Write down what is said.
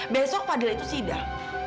besok padel itu sidang